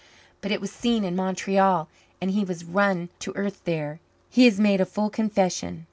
But it was seen in Montreal and he was run to earth there. He has made a full confession."